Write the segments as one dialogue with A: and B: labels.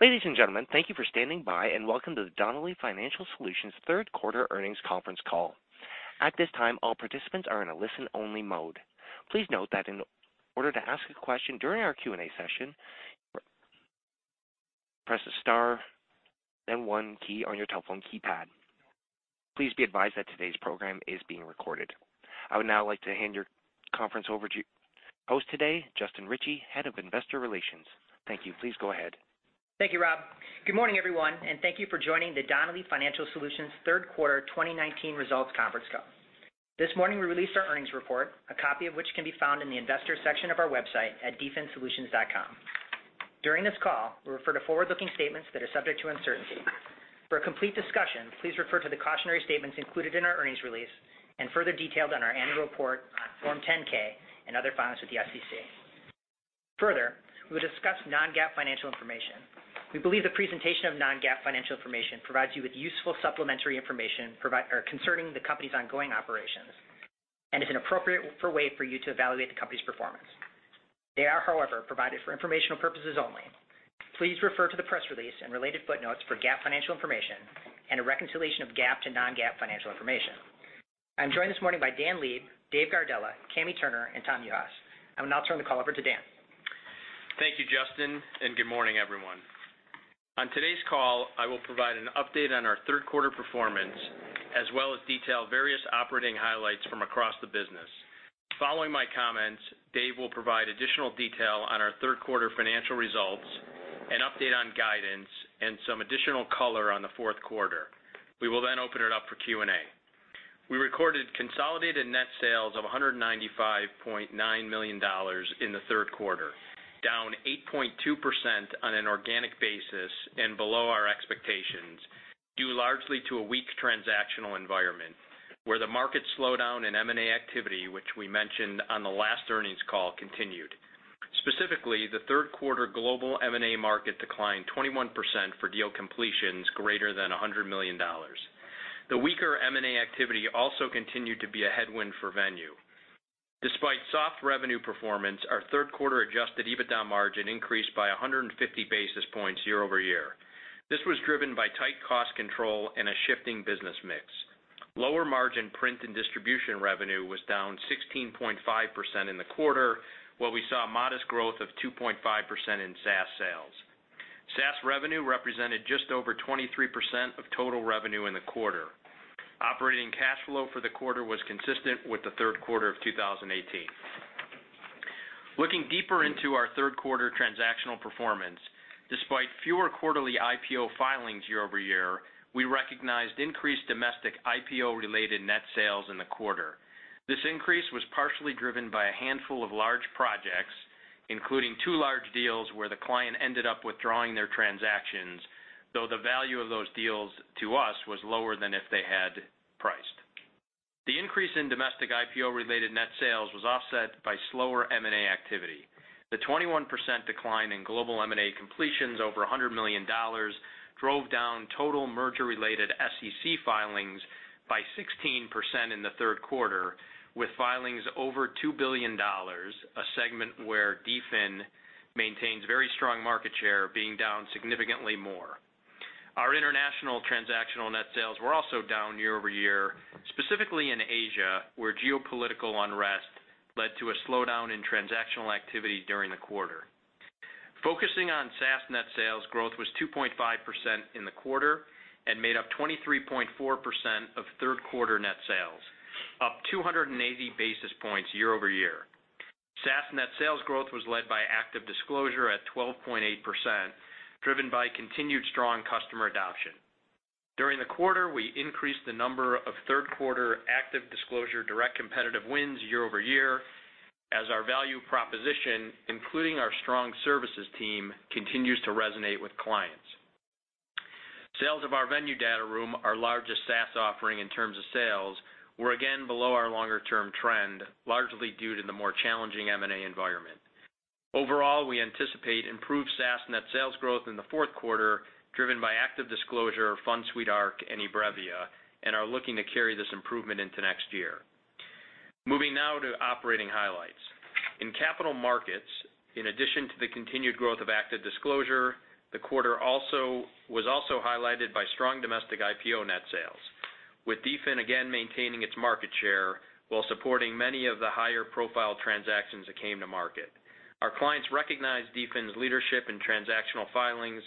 A: Ladies and gentlemen, thank you for standing by, and welcome to the Donnelley Financial Solutions third quarter earnings conference call. At this time, all participants are in a listen-only mode. Please note that in order to ask a question during our Q&A session, press the star then one key on your telephone keypad. Please be advised that today's program is being recorded. I would now like to hand your conference over to your host today, Justin Ritchie, Head of Investor Relations. Thank you. Please go ahead.
B: Thank you, Rob. Good morning, everyone, and thank you for joining the Donnelley Financial Solutions third quarter 2019 results conference call. This morning we released our earnings report, a copy of which can be found in the Investors section of our website at dfinsolutions.com. During this call, we refer to forward-looking statements that are subject to uncertainty. For a complete discussion, please refer to the cautionary statements included in our earnings release and further detailed on our annual report on Form 10-K and other filings with the SEC. Further, we will discuss non-GAAP financial information. We believe the presentation of non-GAAP financial information provides you with useful supplementary information concerning the company's ongoing operations and is an appropriate way for you to evaluate the company's performance. They are, however, provided for informational purposes only. Please refer to the press release and related footnotes for GAAP financial information and a reconciliation of GAAP to non-GAAP financial information. I'm joined this morning by Daniel Leib, David Gardella, Kami Turner, and Tom Yuhas. I will now turn the call over to Dan.
C: Thank you, Justin, and good morning, everyone. On today's call, I will provide an update on our third quarter performance, as well as detail various operating highlights from across the business. Following my comments, Dave will provide additional detail on our third quarter financial results, an update on guidance, and some additional color on the fourth quarter. We will open it up for Q&A. We recorded consolidated net sales of $195.9 million in the third quarter, down 8.2% on an organic basis and below our expectations, due largely to a weak transactional environment, where the market slowdown in M&A activity, which we mentioned on the last earnings call, continued. Specifically, the third quarter global M&A market declined 21% for deal completions greater than $100 million. The weaker M&A activity also continued to be a headwind for Venue. Despite soft revenue performance, our third quarter adjusted EBITDA margin increased by 150 basis points year-over-year. This was driven by tight cost control and a shifting business mix. Lower margin print and distribution revenue was down 16.5% in the quarter, while we saw a modest growth of 2.5% in SaaS sales. SaaS revenue represented just over 23% of total revenue in the quarter. Operating cash flow for the quarter was consistent with the third quarter of 2018. Looking deeper into our third quarter transactional performance, despite fewer quarterly IPO filings year-over-year, we recognized increased domestic IPO-related net sales in the quarter. This increase was partially driven by a handful of large projects, including two large deals where the client ended up withdrawing their transactions, though the value of those deals to us was lower than if they had priced. The increase in domestic IPO-related net sales was offset by slower M&A activity. The 21% decline in global M&A completions over $100 million drove down total merger-related SEC filings by 16% in the third quarter, with filings over $2 billion, a segment where DFIN maintains very strong market share, being down significantly more. Our international transactional net sales were also down year-over-year, specifically in Asia, where geopolitical unrest led to a slowdown in transactional activity during the quarter. Focusing on SaaS net sales, growth was 2.5% in the quarter and made up 23.4% of third quarter net sales, up 280 basis points year-over-year. SaaS net sales growth was led by ActiveDisclosure at 12.8%, driven by continued strong customer adoption. During the quarter, we increased the number of third quarter ActiveDisclosure direct competitive wins year-over-year as our value proposition, including our strong services team, continues to resonate with clients. Sales of our Venue data room, our largest SaaS offering in terms of sales, were again below our longer-term trend, largely due to the more challenging M&A environment. Overall, we anticipate improved SaaS net sales growth in the fourth quarter driven by ActiveDisclosure, Fund Suite Arc, and eBrevia, and are looking to carry this improvement into next year. Moving now to operating highlights. In capital markets, in addition to the continued growth of ActiveDisclosure, the quarter was also highlighted by strong domestic IPO net sales, with DFIN again maintaining its market share while supporting many of the higher-profile transactions that came to market. Our clients recognize DFIN's leadership in transactional filings,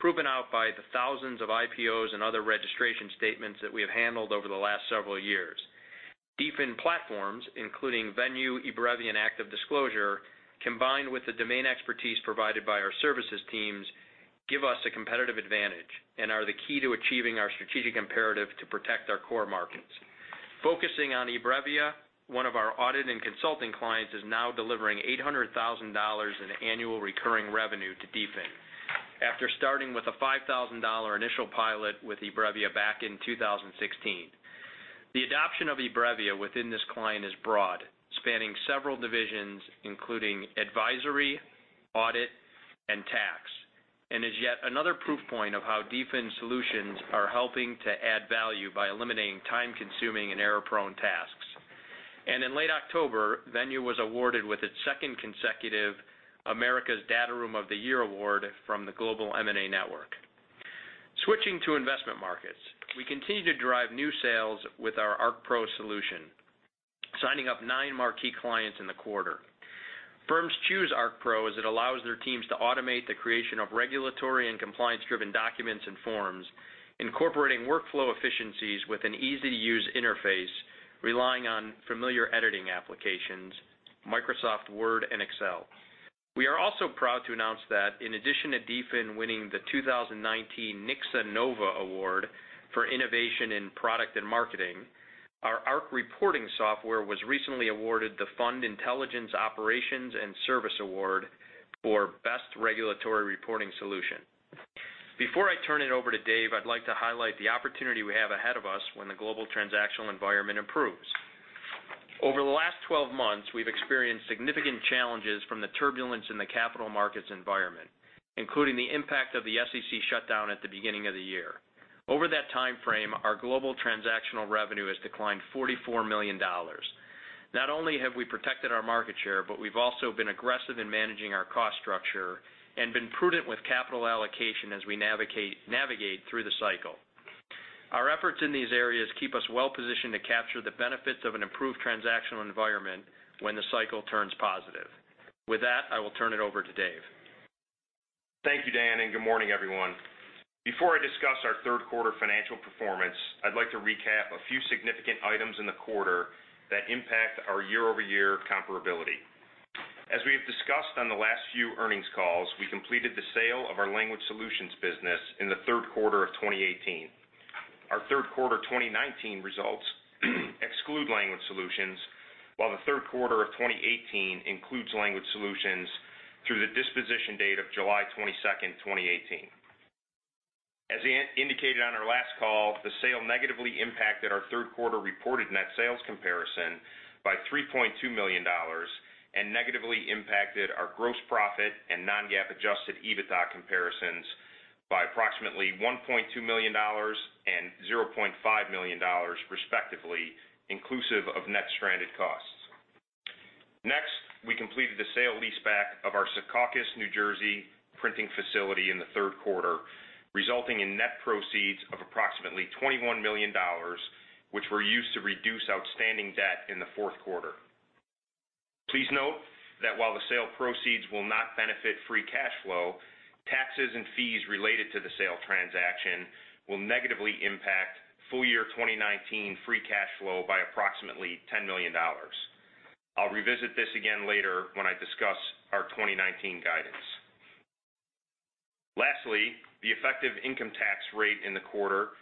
C: proven out by the thousands of IPOs and other registration statements that we have handled over the last several years. DFIN platforms, including Venue, eBrevia, and ActiveDisclosure, combined with the domain expertise provided by our services teams, give us a competitive advantage and are the key to achieving our strategic imperative to protect our core markets. Focusing on eBrevia, one of our audit and consulting clients is now delivering $800,000 in annual recurring revenue to DFIN after starting with a $5,000 initial pilot with eBrevia back in 2016. The adoption of eBrevia within this client is broad, spanning several divisions, including advisory, audit, and tax, and is yet another proof point of how DFIN solutions are helping to add value by eliminating time-consuming and error-prone tasks. In late October, Venue was awarded with its second consecutive Americas Data Room of the Year Award from the Global M&A Network. Switching to investment markets, we continue to drive new sales with our ArcPro solution, signing up nine marquee clients in the quarter. Firms choose ArcPro as it allows their teams to automate the creation of regulatory and compliance-driven documents and forms, incorporating workflow efficiencies with an easy-to-use interface relying on familiar editing applications, Microsoft Word and Excel. We are also proud to announce that in addition to DFIN winning the 2019 Finovate Award for innovation in product and marketing, our ArcReporting software was recently awarded the Fund Intelligence Operations and Services Award for best regulatory reporting solution. Before I turn it over to Dave, I'd like to highlight the opportunity we have ahead of us when the global transactional environment improves. Over the last 12 months, we've experienced significant challenges from the turbulence in the capital markets environment, including the impact of the SEC shutdown at the beginning of the year. Over that time frame, our global transactional revenue has declined $44 million. Not only have we protected our market share, but we've also been aggressive in managing our cost structure and been prudent with capital allocation as we navigate through the cycle. Our efforts in these areas keep us well-positioned to capture the benefits of an improved transactional environment when the cycle turns positive. With that, I will turn it over to Dave.
D: Thank you, Dan. Good morning, everyone. Before I discuss our third quarter financial performance, I'd like to recap a few significant items in the quarter that impact our year-over-year comparability. As we have discussed on the last few earnings calls, we completed the sale of our Language Solutions business in the third quarter of 2018. Our third quarter 2019 results exclude Language Solutions, while the third quarter of 2018 includes Language Solutions through the disposition date of July 22nd, 2018. As indicated on our last call, the sale negatively impacted our third quarter reported net sales comparison by $3.2 million, and negatively impacted our gross profit and non-GAAP adjusted EBITDA comparisons by approximately $1.2 million and $0.5 million respectively, inclusive of net stranded costs. We completed the sale-leaseback of our Secaucus, New Jersey printing facility in the third quarter, resulting in net proceeds of approximately $21 million, which were used to reduce outstanding debt in the fourth quarter. Please note that while the sale proceeds will not benefit free cash flow, taxes and fees related to the sale transaction will negatively impact full year 2019 free cash flow by approximately $10 million. I'll revisit this again later when I discuss our 2019 guidance. The effective income tax rate in the quarter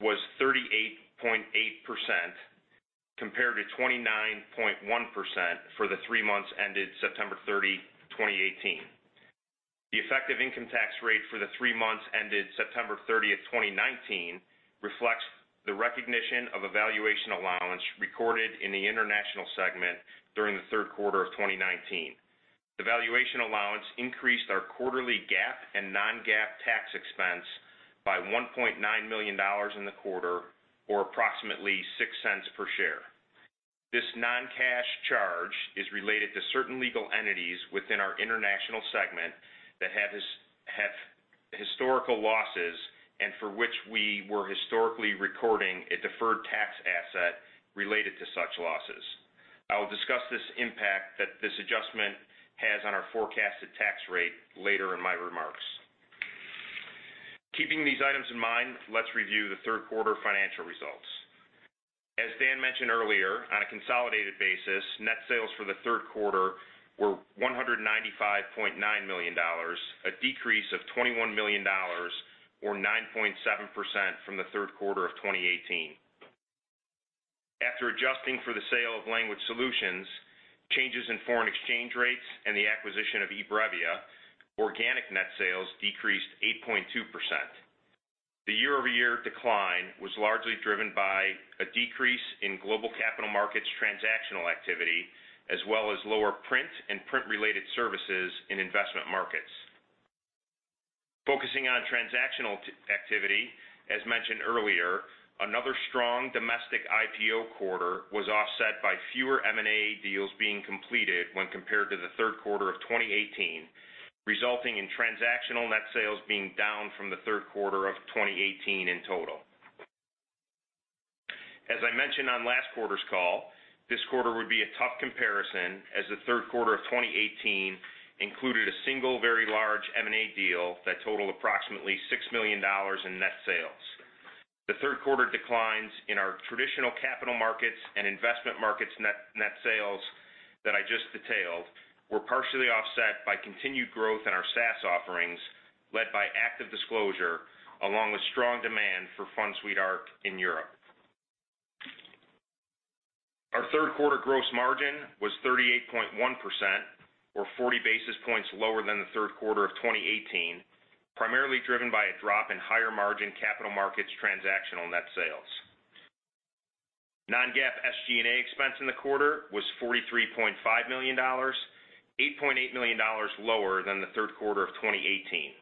D: was 38.8% compared to 29.1% for the three months ended September 30, 2018. The effective income tax rate for the three months ended September 30th, 2019, reflects the recognition of a valuation allowance recorded in the international segment during the third quarter of 2019. The valuation allowance increased our quarterly GAAP and non-GAAP tax expense by $1.9 million in the quarter, or approximately $0.06 per share. This non-cash charge is related to certain legal entities within our international segment that have historical losses, and for which we were historically recording a deferred tax asset related to such losses. I will discuss this impact that this adjustment has on our forecasted tax rate later in my remarks. Keeping these items in mind, let's review the third quarter financial results. As Dan mentioned earlier, on a consolidated basis, net sales for the third quarter were $195.9 million, a decrease of $21 million or 9.7% from the third quarter of 2018. After adjusting for the sale of Language Solutions, changes in foreign exchange rates, and the acquisition of eBrevia, organic net sales decreased 8.2%. The year-over-year decline was largely driven by a decrease in global capital markets transactional activity, as well as lower print and print-related services in investment markets. Focusing on transactional activity, as mentioned earlier, another strong domestic IPO quarter was offset by fewer M&A deals being completed when compared to the third quarter of 2018, resulting in transactional net sales being down from the third quarter of 2018 in total. As I mentioned on last quarter's call, this quarter would be a tough comparison as the third quarter of 2018 included a single very large M&A deal that totaled approximately $6 million in net sales. The third quarter declines in our traditional capital markets and investment markets net sales that I just detailed, were partially offset by continued growth in our SaaS offerings, led by ActiveDisclosure along with strong demand for Arc Suite in Europe. Our third quarter gross margin was 38.1%, or 40 basis points lower than the third quarter of 2018, primarily driven by a drop in higher margin capital markets transactional net sales. Non-GAAP SG&A expense in the quarter was $43.5 million, $8.8 million lower than the third quarter of 2018.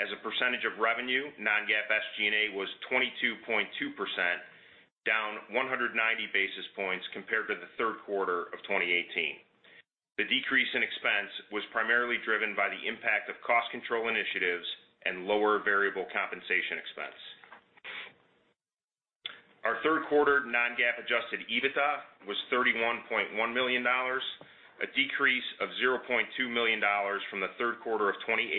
D: As a percentage of revenue, non-GAAP SG&A was 22.2%, down 190 basis points compared to the third quarter of 2018. The decrease in expense was primarily driven by the impact of cost control initiatives and lower variable compensation expense. Our third quarter non-GAAP adjusted EBITDA was $31.1 million, a decrease of $0.2 million from the third quarter of 2018,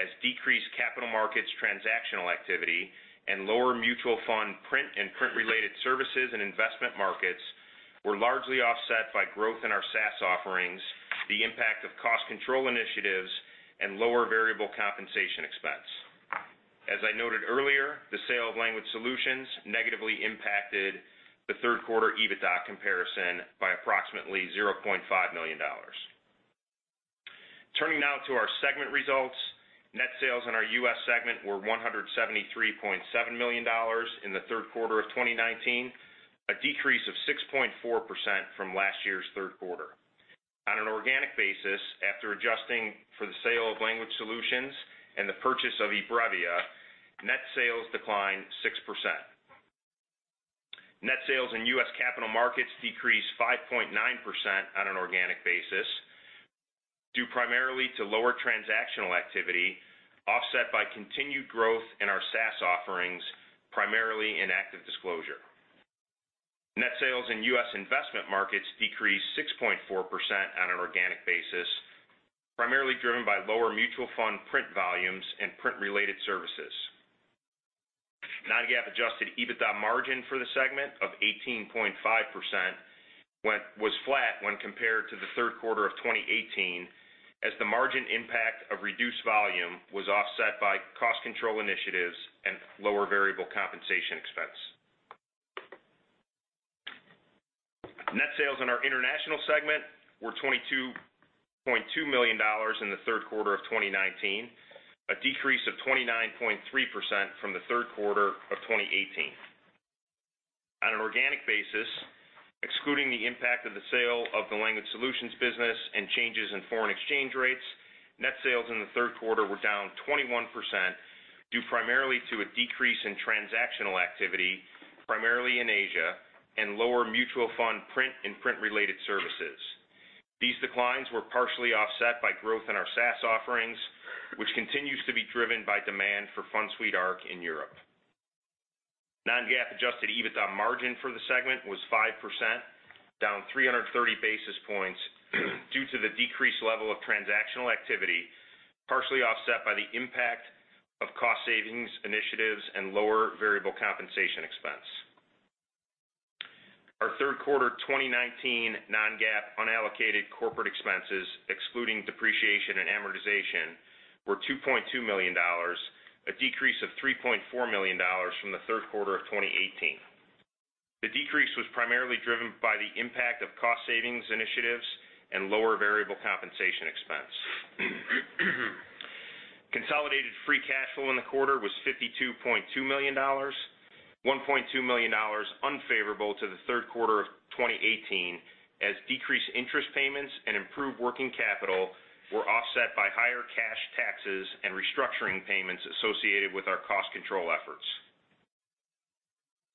D: as decreased capital markets transactional activity and lower mutual fund print and print-related services and investment markets were largely offset by growth in our SaaS offerings, the impact of cost control initiatives, and lower variable compensation expense. As I noted earlier, the sale of Language Solutions negatively impacted the third quarter EBITDA comparison by approximately $0.5 million. Turning now to our segment results. Net sales in our U.S. segment were $173.7 million in the third quarter of 2019, a decrease of 6.4% from last year's third quarter. On an organic basis, after adjusting for the sale of Language Solutions and the purchase of eBrevia, net sales declined 6%. Net sales in U.S. capital markets decreased 5.9% on an organic basis, due primarily to lower transactional activity, offset by continued growth in our SaaS offerings, primarily in ActiveDisclosure. Net sales in U.S. investment markets decreased 6.4% on an organic basis, primarily driven by lower mutual fund print volumes and print-related services. Non-GAAP adjusted EBITDA margin for the segment of 18.5% was flat when compared to the third quarter of 2018, as the margin impact of reduced volume was offset by cost control initiatives and lower variable compensation expense. Net sales in our international segment were $22.2 million in the third quarter of 2019, a decrease of 29.3% from the third quarter of 2018. On an organic basis, excluding the impact of the sale of the Language Solutions business and changes in foreign exchange rates, net sales in the third quarter were down 21%, due primarily to a decrease in transactional activity, primarily in Asia, and lower mutual fund print and print-related services. These declines were partially offset by growth in our SaaS offerings, which continues to be driven by demand for Arc Suite in Europe. Non-GAAP adjusted EBITDA margin for the segment was 5%, down 330 basis points due to the decreased level of transactional activity, partially offset by the impact of cost savings initiatives and lower variable compensation expense. Our third quarter 2019 non-GAAP unallocated corporate expenses, excluding depreciation and amortization, were $2.2 million, a decrease of $3.4 million from the third quarter of 2018. The decrease was primarily driven by the impact of cost savings initiatives and lower variable compensation expense. Consolidated free cash flow in the quarter was $52.2 million, $1.2 million unfavorable to the third quarter of 2018, as decreased interest payments and improved working capital were offset by higher cash taxes and restructuring payments associated with our cost control efforts.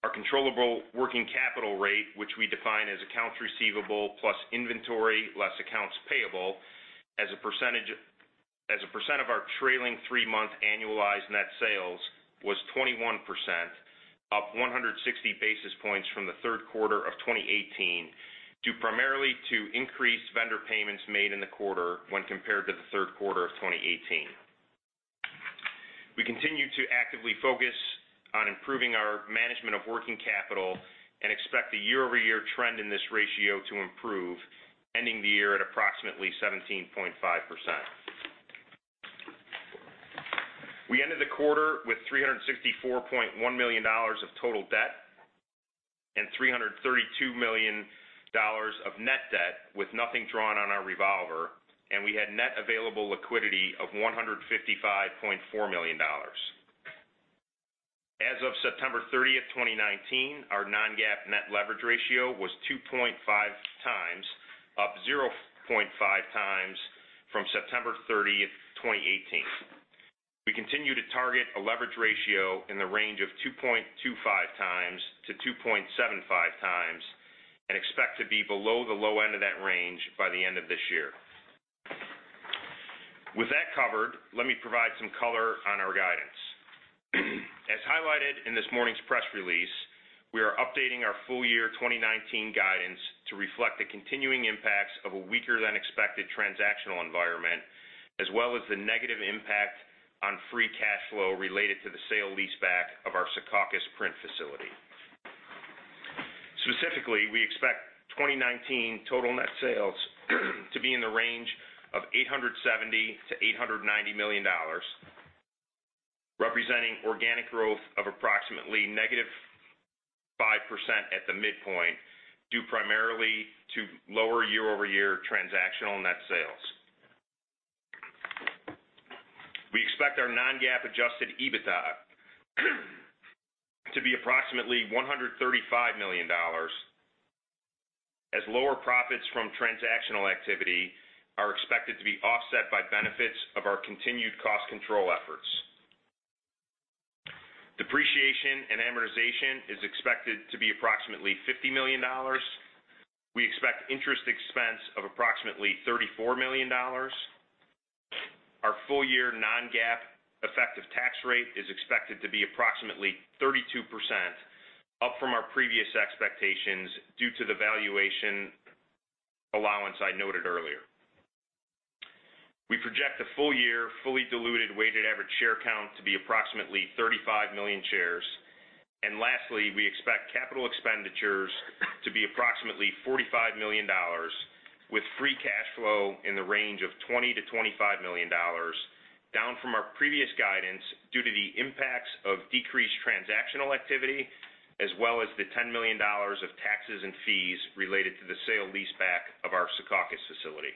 D: Our controllable working capital rate, which we define as accounts receivable plus inventory, less accounts payable, as a percent of our trailing three-month annualized net sales, was 21%, up 160 basis points from the third quarter of 2018, due primarily to increased vendor payments made in the quarter when compared to the third quarter of 2018. We continue to actively focus on improving our management of working capital and expect the year-over-year trend in this ratio to improve, ending the year at approximately 17.5%. We ended the quarter with $364.1 million of total debt and $332 million of net debt, with nothing drawn on our revolver, and we had net available liquidity of $155.4 million. As of September 30th, 2019, our non-GAAP net leverage ratio was 2.5 times, up 0.5 times from September 30th, 2018. We continue to target a leverage ratio in the range of 2.25 times to 2.75 times and expect to be below the low end of that range by the end of this year. With that covered, let me provide some color on our guidance. As highlighted in this morning's press release, we are updating our full year 2019 guidance to reflect the continuing impacts of a weaker-than-expected transactional environment, as well as the negative impact on free cash flow related to the sale leaseback of our Secaucus print facility. Specifically, we expect 2019 total net sales to be in the range of $870 million-$890 million, representing organic growth of approximately -5% at the midpoint, due primarily to lower year-over-year transactional net sales. We expect our non-GAAP adjusted EBITDA to be approximately $135 million as lower profits from transactional activity are expected to be offset by benefits of our continued cost control efforts. Depreciation and amortization is expected to be approximately $50 million. We expect interest expense of approximately $34 million. Our full-year non-GAAP effective tax rate is expected to be approximately 32%, up from our previous expectations due to the valuation allowance I noted earlier. We project a full-year, fully diluted weighted average share count to be approximately 35 million shares. Lastly, we expect capital expenditures to be approximately $45 million, with free cash flow in the range of $20 million-$25 million, down from our previous guidance due to the impacts of decreased transactional activity, as well as the $10 million of taxes and fees related to the sale leaseback of our Secaucus facility.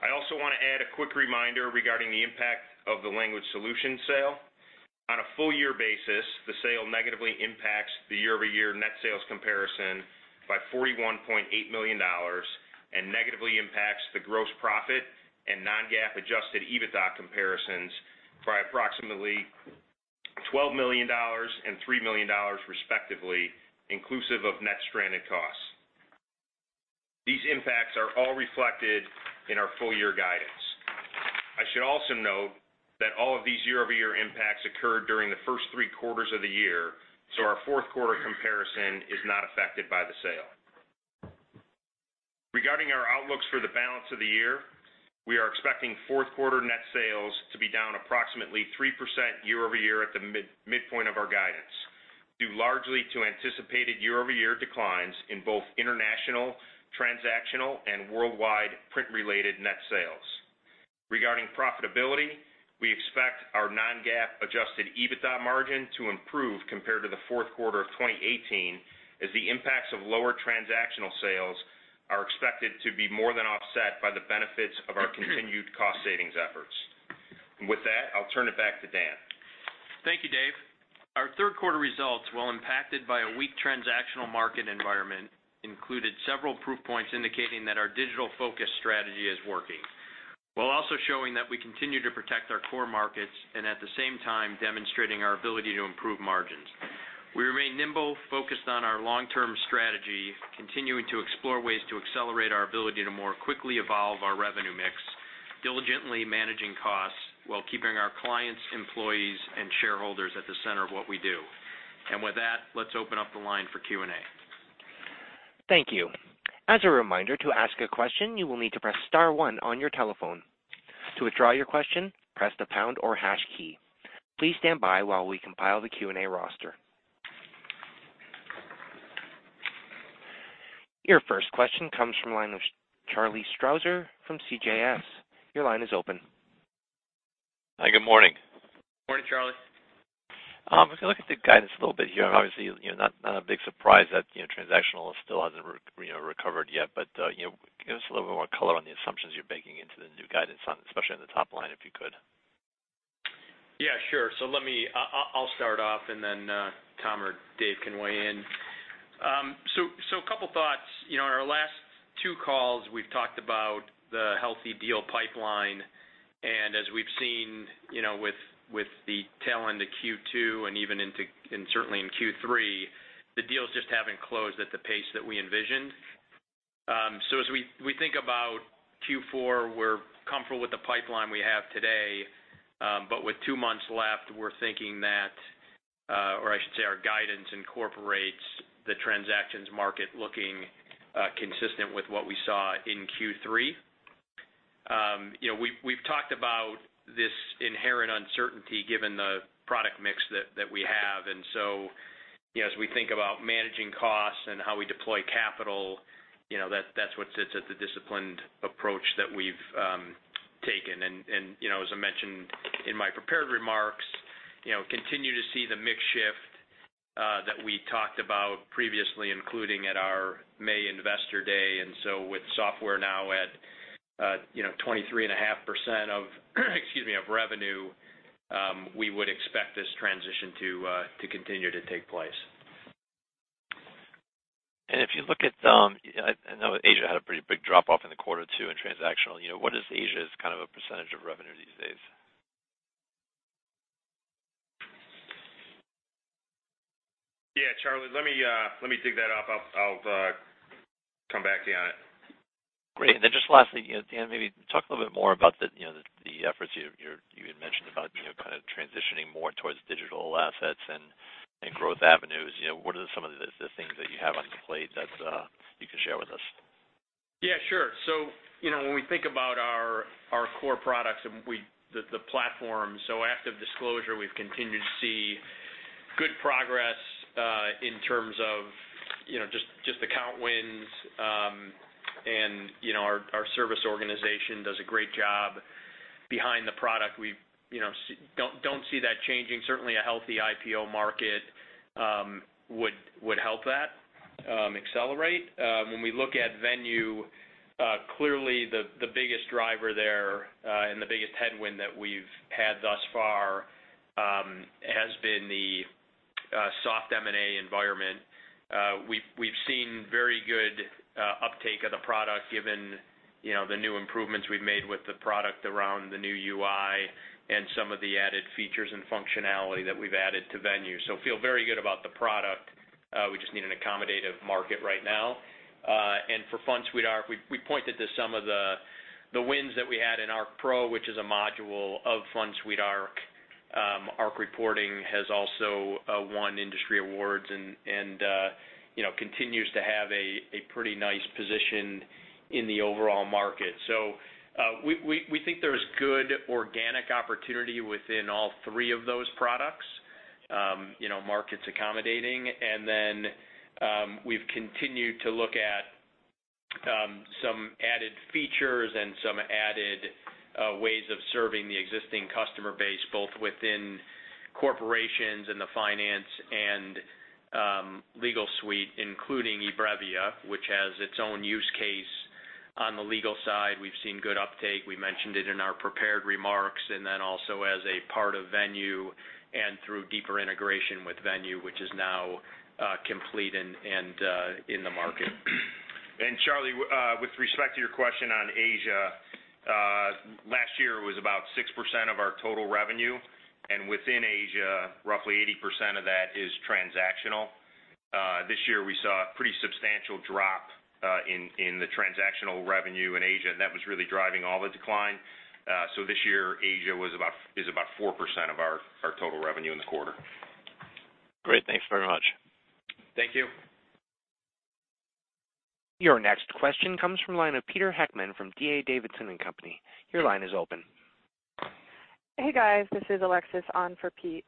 D: I also want to add a quick reminder regarding the impact of the Language Solutions sale. On a full-year basis, the sale negatively impacts the year-over-year net sales comparison by $41.8 million and negatively impacts the gross profit and non-GAAP adjusted EBITDA comparisons by approximately $12 million and $3 million respectively, inclusive of net stranded costs. These impacts are all reflected in our full-year guidance. I should also note that all of these year-over-year impacts occurred during the first three quarters of the year, so our fourth quarter comparison is not affected by the sale. Regarding our outlooks for the balance of the year, we are expecting fourth quarter net sales to be down approximately 3% year-over-year at the midpoint of our guidance, due largely to anticipated year-over-year declines in both international, transactional, and worldwide print-related net sales. Regarding profitability, we expect our non-GAAP adjusted EBITDA margin to improve compared to the fourth quarter of 2018, as the impacts of lower transactional sales are expected to be more than offset by the benefits of our continued cost savings efforts. With that, I'll turn it back to Dan.
C: Thank you, Dave. Our third quarter results, while impacted by a weak transactional market environment, included several proof points indicating that our digital-focused strategy is working, while also showing that we continue to protect our core markets and at the same time demonstrating our ability to improve margins. We remain nimble, focused on our long-term strategy, continuing to explore ways to accelerate our ability to more quickly evolve our revenue mix, diligently managing costs while keeping our clients, employees, and shareholders at the center of what we do. With that, let's open up the line for Q&A.
A: Thank you. As a reminder, to ask a question, you will need to press star one on your telephone. To withdraw your question, press the pound or hash key. Please stand by while we compile the Q&A roster. Your first question comes from the line of Charlie Strauzer from CJS. Your line is open.
E: Hi, good morning.
C: Morning, Charlie.
E: I was going to look at the guidance a little bit here. Obviously, not a big surprise that transactional still hasn't recovered yet, but give us a little bit more color on the assumptions you're baking into the new guidance, especially on the top line, if you could.
C: Yeah, sure. Let me start off, and then Tom or Dave can weigh in. A couple of thoughts. In our last two calls, we've talked about the healthy deal pipeline, and as we've seen with the tail end of Q2 and even certainly in Q3, the deals just haven't closed at the pace that we envisioned. As we think about Q4, we're comfortable with the pipeline we have today, but with two months left, we're thinking that, or I should say our guidance incorporates the transactions market looking consistent with what we saw in Q3. We've talked about this inherent uncertainty given the product mix that we have, and so as we think about managing costs and how we deploy capital, that's what sits at the disciplined approach that we've taken. As I mentioned in my prepared remarks, continue to see the mix shift that we talked about previously, including at our May investor day. With software now at 23.5% of revenue, we would expect this transition to continue to take place.
E: If you look at I know Asia had a pretty big drop-off in the quarter too in transactional. What is Asia as kind of a percentage of revenue these days?
C: Yeah, Charlie, let me dig that up. I'll come back to you on it.
E: Great. Just lastly, Dan, maybe talk a little bit more about the efforts you had mentioned about transitioning more towards digital assets and growth avenues. What are some of the things that you have on the plate that you can share with us?
C: Yeah, sure. When we think about our core products and the platform, ActiveDisclosure, we've continued to see good progress in terms of just account wins, and our service organization does a great job behind the product. We don't see that changing. Certainly, a healthy IPO market would help that accelerate. When we look at Venue, clearly the biggest driver there and the biggest headwind that we've had thus far has been the soft M&A environment. We've seen very good uptake of the product given the new improvements we've made with the product around the new UI and some of the added features and functionality that we've added to Venue. Feel very good about the product. We just need an accommodative market right now. For Arc Suite, we pointed to some of the wins that we had in ArcPro, which is a module of Arc Suite. ArcReporting has also won industry awards and continues to have a pretty nice position in the overall market. We think there's good organic opportunity within all three of those products, markets accommodating. We've continued to look at some added features and some added ways of serving the existing customer base, both within corporations and the finance and legal suite, including eBrevia, which has its own use case on the legal side. We've seen good uptake. We mentioned it in our prepared remarks, also as a part of Venue and through deeper integration with Venue, which is now complete and in the market.
D: Charlie, with respect to your question on Asia, last year was about 6% of our total revenue, and within Asia, roughly 80% of that is transactional. This year we saw a pretty substantial drop in the transactional revenue in Asia, and that was really driving all the decline. This year, Asia is about 4% of our total revenue in the quarter.
E: Great. Thanks very much.
D: Thank you.
A: Your next question comes from the line of Peter Heckmann from D.A. Davidson & Co. Your line is open.
F: Hey, guys, this is Alexis on for Pete.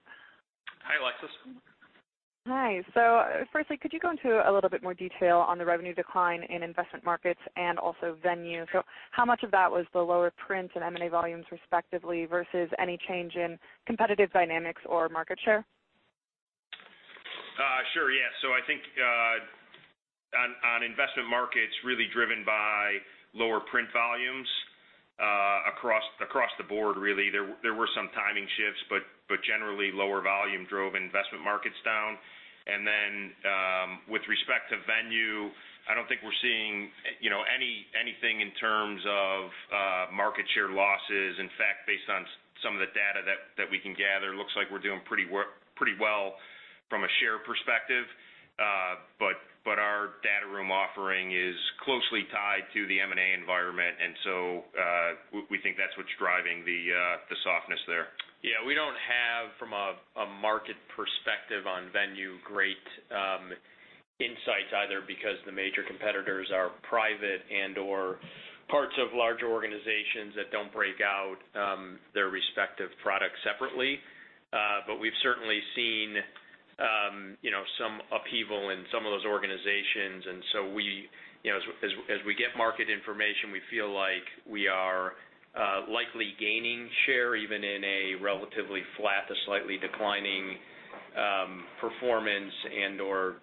D: Hi, Alexis.
F: Hi. Firstly, could you go into a little bit more detail on the revenue decline in Global Investment Markets and also Venue? How much of that was the lower print and M&A volumes respectively versus any change in competitive dynamics or market share?
D: Sure. Yeah. I think on Investment Markets really driven by lower print volumes across the board, really. There were some timing shifts, but generally lower volume drove Investment Markets down. Then, with respect to Venue, I don't think we're seeing anything in terms of market share losses. In fact, based on some of the data that we can gather, looks like we're doing pretty well from a share perspective. Our data room offering is closely tied to the M&A environment, and so we think that's what's driving the softness there.
C: We don't have, from a market perspective on Venue, great insights either because the major competitors are private and/or parts of larger organizations that don't break out their respective products separately. We've certainly seen some upheaval in some of those organizations. As we get market information, we feel like we are likely gaining share even in a relatively flat to slightly declining performance and/or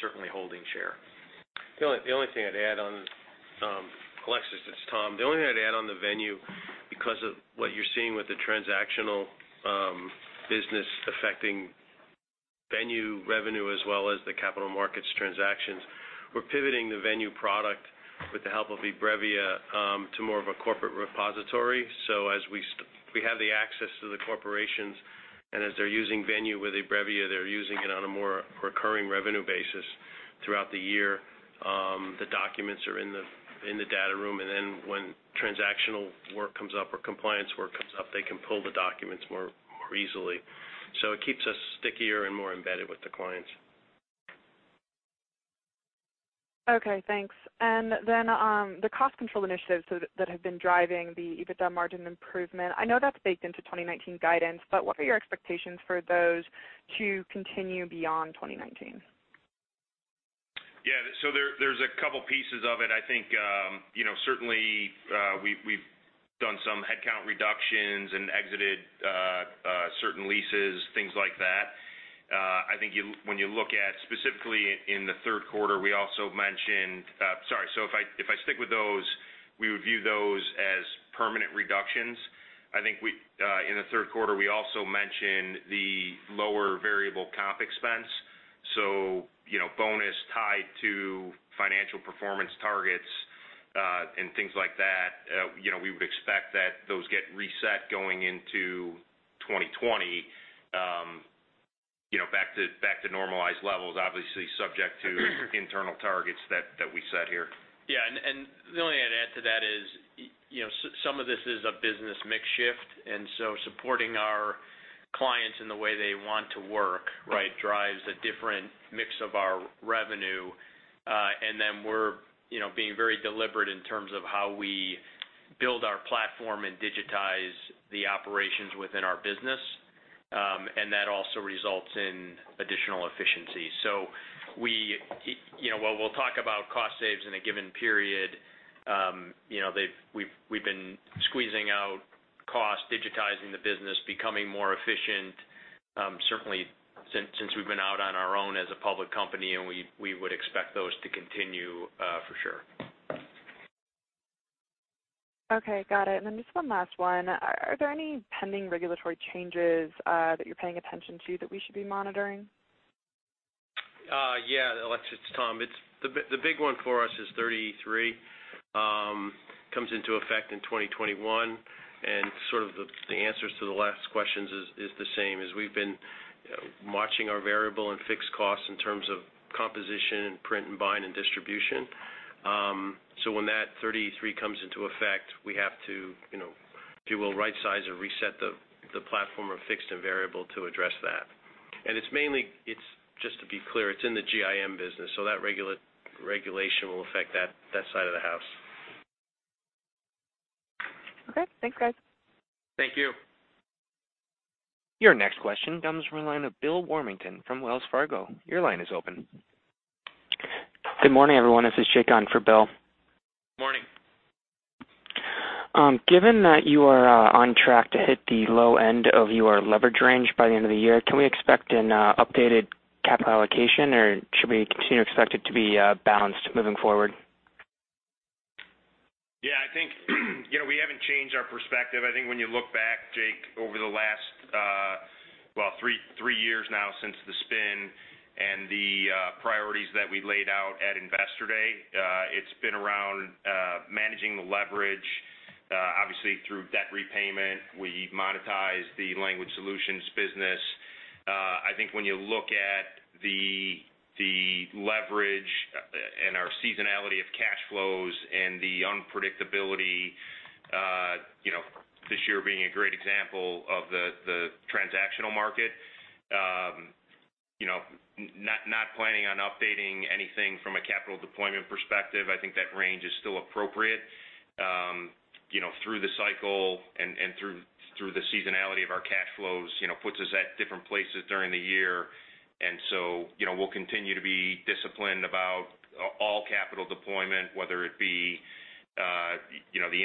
C: certainly holding share.
G: The only thing I'd add on, Alexis, it's Tom. The only thing I'd add on the Venue, because of what you're seeing with the transactional business affecting Venue revenue as well as the capital markets transactions, we're pivoting the Venue product with the help of eBrevia, to more of a corporate repository. As we have the access to the corporations and as they're using Venue with eBrevia, they're using it on a more recurring revenue basis throughout the year. The documents are in the data room, and then when transactional work comes up or compliance work comes up, they can pull the documents more easily. It keeps us stickier and more embedded with the clients.
F: Okay, thanks. The cost control initiatives that have been driving the EBITDA margin improvement, I know that's baked into 2019 guidance, but what are your expectations for those to continue beyond 2019?
D: Yeah. There's a couple pieces of it. I think, certainly, we've done some headcount reductions and exited certain leases, things like that. I think when you look at specifically in the third quarter, we also mentioned. If I stick with those, we would view those as permanent reductions. I think in the third quarter, we also mentioned the lower variable comp expense. Bonus tied to financial performance targets, and things like that. We would expect that those get reset going into 2020, back to normalized levels, obviously subject to internal targets that we set here.
C: The only thing I'd add to that is, some of this is a business mix shift, and so supporting our clients in the way they want to work, drives a different mix of our revenue. Then we're being very deliberate in terms of how we build our platform and digitize the operations within our business. That also results in additional efficiencies. While we'll talk about cost saves in a given period, we've been squeezing out costs, digitizing the business, becoming more efficient, certainly since we've been out on our own as a public company, and we would expect those to continue for sure.
F: Okay, got it. Just one last one. Are there any pending regulatory changes that you're paying attention to that we should be monitoring?
G: Yeah, Alexia, it's Tom. The big one for us is 33. It comes into effect in 2021. Sort of the answers to the last questions is the same as we've been watching our variable and fixed costs in terms of composition and print and bind and distribution. When that 33 comes into effect, we have to, if you will, rightsize or reset the platform of fixed and variable to address that. It's mainly, just to be clear, it's in the Global Investment Markets business, so that regulation will affect that side of the house.
F: Okay. Thanks, guys.
G: Thank you.
A: Your next question comes from the line of Bill Warmington from Wells Fargo. Your line is open.
H: Good morning, everyone. This is Jake on for Bill.
D: Morning.
H: Given that you are on track to hit the low end of your leverage range by the end of the year, can we expect an updated capital allocation, or should we continue to expect it to be balanced moving forward?
D: Yeah, I think we haven't changed our perspective. I think when you look back, Jake, over the last three years now since the spin and the priorities that we laid out at Investor Day, it's been around managing the leverage. Obviously, through debt repayment, we monetized the Language Solutions business. I think when you look at the leverage and our seasonality of cash flows and the unpredictability, this year being a great example of the transactional market, not planning on updating anything from a capital deployment perspective. I think that range is still appropriate. Through the cycle and through the seasonality of our cash flows, puts us at different places during the year. We'll continue to be disciplined about all capital deployment, whether it be the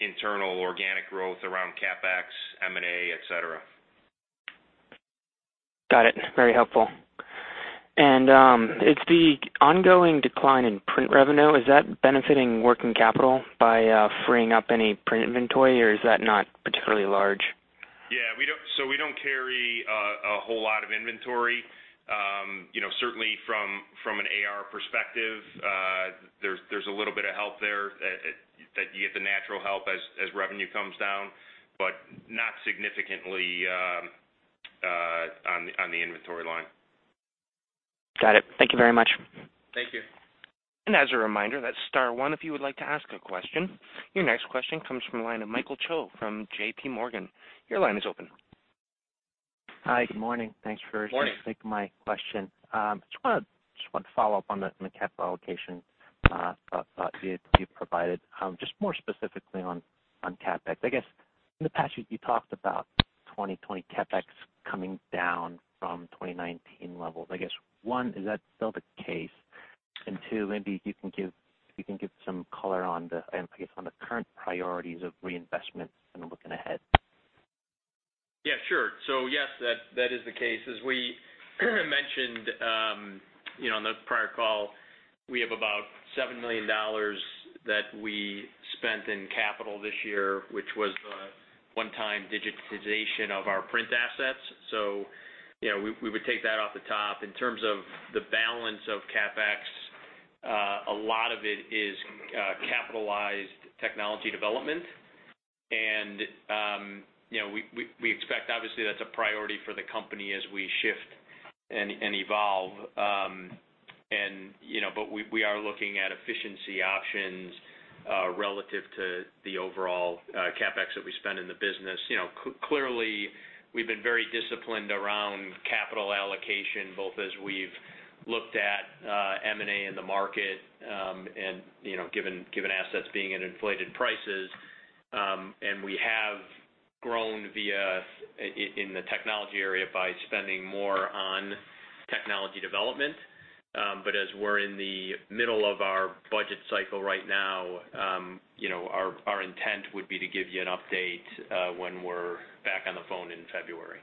D: internal organic growth around CapEx, M&A, et cetera.
H: Got it. Very helpful. Is the ongoing decline in print revenue, is that benefiting working capital by freeing up any print inventory, or is that not particularly large?
D: Yeah. We don't carry a whole lot of inventory. Certainly from an AR perspective, there's a little bit of help there that you get the natural help as revenue comes down, but not significantly on the inventory line.
H: Got it. Thank you very much.
D: Thank you.
A: As a reminder, that's star one if you would like to ask a question. Your next question comes from the line of Michael Cho from JPMorgan. Your line is open.
I: Hi. Good morning. Thanks for-
D: Morning
I: taking my question. Just wanted to follow up on the capital allocation thought you provided, just more specifically on CapEx. I guess, in the past, you talked about 2020 CapEx coming down from 2019 levels. I guess, one, is that still the case? Two, maybe you can give some color on the current priorities of reinvestments kind of looking ahead.
D: Yeah, sure. Yes, that is the case. As we mentioned on the prior call, we have about $7 million that we spent in capital this year, which was a one-time digitization of our print assets. We would take that off the top. In terms of the balance of CapEx, a lot of it is capitalized technology development. We expect, obviously, that's a priority for the company as we shift and evolve. We are looking at efficiency options relative to the overall CapEx that we spend in the business. Clearly, we've been very disciplined around capital allocation, both as we've looked at M&A in the market and given assets being at inflated prices, and we have grown in the technology area by spending more on technology development. As we're in the middle of our budget cycle right now, our intent would be to give you an update when we're back on the phone in February.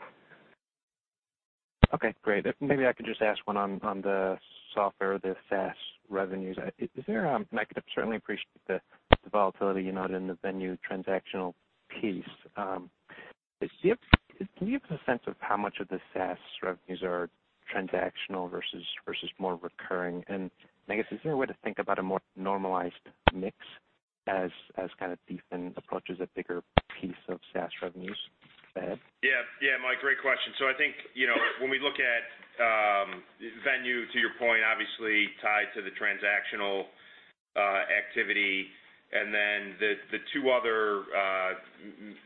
I: Okay, great. Maybe I could just ask one on the software, the SaaS revenues. I certainly appreciate the volatility in the Venue transactional piece. Do you have a sense of how much of the SaaS revenues are transactional versus more recurring? And I guess, is there a way to think about a more normalized mix as kind of Venue approaches a bigger piece of SaaS revenues ahead?
D: Yeah, Mike, great question. I think, when we look at Venue, to your point, obviously tied to the transactional activity, and then the two other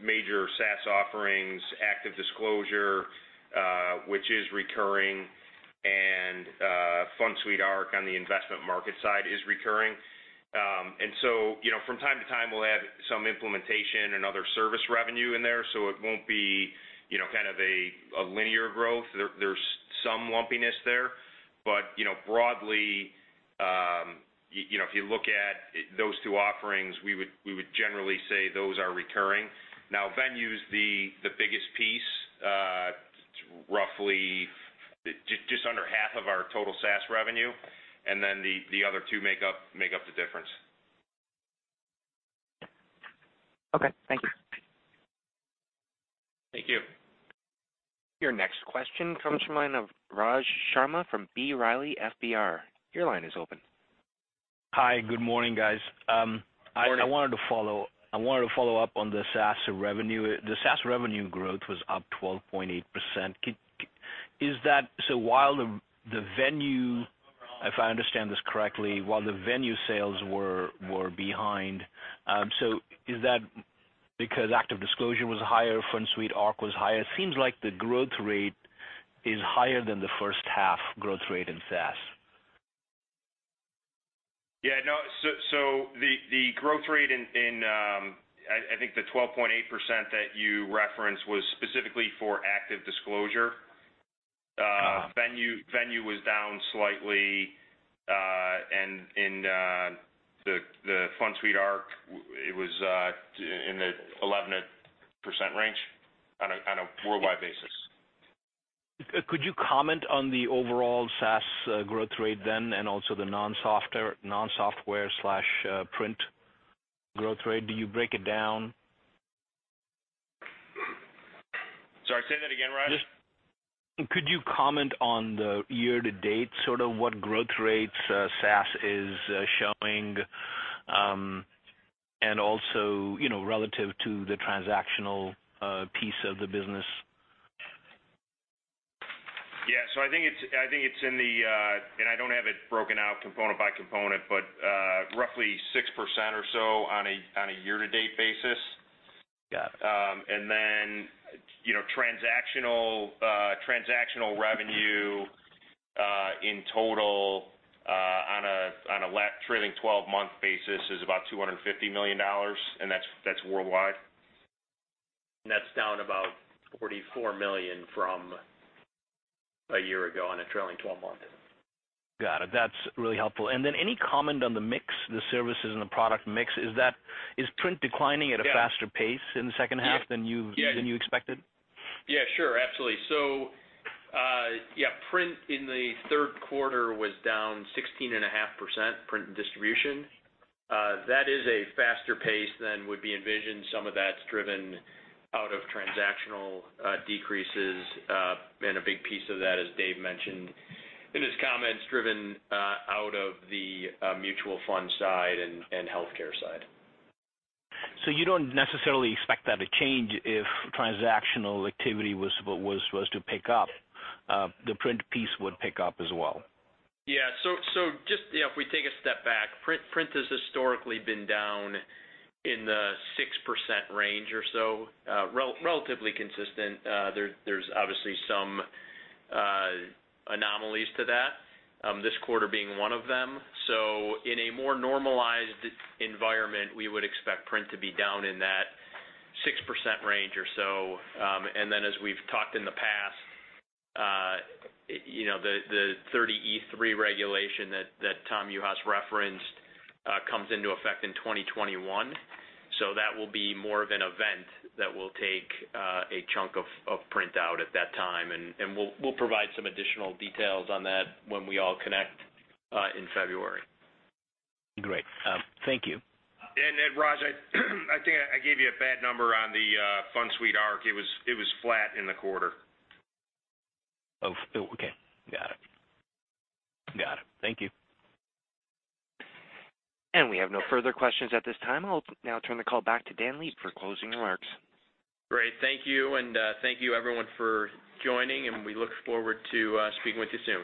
D: major SaaS offerings, ActiveDisclosure, which is recurring, and Arc Suite on the Global Investment Markets side is recurring. From time to time, we'll have some implementation and other service revenue in there. It won't be kind of a linear growth. There's some lumpiness there. Broadly, if you look at those two offerings, we would generally say those are recurring. Now, Venue is the biggest piece. Roughly just under half of our total SaaS revenue, the other two make up the difference.
I: Okay. Thank you.
D: Thank you.
A: Your next question comes from the line of Raj Sharma from B. Riley FBR. Your line is open.
J: Hi. Good morning, guys.
D: Morning.
J: I wanted to follow up on the SaaS revenue. The SaaS revenue growth was up 12.8%. While the Venue, if I understand this correctly, while the Venue sales were behind, is that because ActiveDisclosure was higher, Arc Suite was higher? It seems like the growth rate is higher than the first half growth rate in SaaS.
D: Yeah. The growth rate in, I think the 12.8% that you referenced, was specifically for ActiveDisclosure. Venue was down slightly, and the Fund Suite Arc, it was in the 11% range on a worldwide basis.
J: Could you comment on the overall SaaS growth rate then, and also the non-software/print growth rate? Do you break it down?
D: Sorry, say that again, Raj.
J: Could you comment on the year-to-date, sort of what growth rates SaaS is showing, and also relative to the transactional piece of the business?
D: Yeah. I think it's in the. I don't have it broken out component by component, but roughly 6% or so on a year-to-date basis.
J: Got it.
D: Transactional revenue in total on a trailing 12-month basis is about $250 million, that's worldwide. That's down about $44 million from a year ago on a trailing 12-month.
J: Got it. That's really helpful. Then any comment on the mix, the services and the product mix? Is print declining at a faster pace in the second half than you expected?
D: Yeah, sure. Absolutely. Yeah, print in the third quarter was down 16.5%, print and distribution. That is a faster pace than would be envisioned. Some of that's driven out of transactional decreases, and a big piece of that, as Dave mentioned in his comments, driven out of the mutual fund side and healthcare side.
J: You don't necessarily expect that to change if transactional activity was to pick up, the print piece would pick up as well?
D: Just if we take a step back, print has historically been down in the 6% range or so, relatively consistent. There's obviously some anomalies to that, this quarter being one of them. In a more normalized environment, we would expect print to be down in that 6% range or so. As we've talked in the past, the 30e-3 regulation that Tom Yuhas referenced comes into effect in 2021. That will be more of an event that will take a chunk of print out at that time, and we'll provide some additional details on that when we all connect in February.
J: Great. Thank you.
D: Raj, I think I gave you a bad number on the Fund Suite Arc. It was flat in the quarter.
J: Okay. Got it. Thank you.
A: We have no further questions at this time. I'll now turn the call back to Dan Leib for closing remarks.
C: Great. Thank you, and thank you everyone for joining, and we look forward to speaking with you soon.